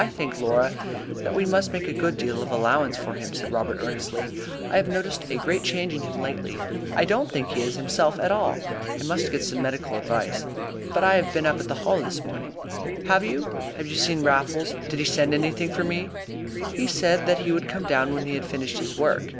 "I think, Laura, that we must make a good deal of allowance for him," said Robert earnestly. "I have noticed a great change in him lately. I don't think he is himself at all. I must get some medical advice. But I have been up at the Hall this morning." "Have you? Have you seen Raffles? Did he send anything for me?" "He said that he would come down when he had finished his work."